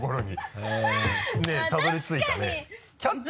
ねぇたどり着いたね。